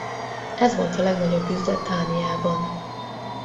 Ez volt a legnagyobb üzlet Dániában.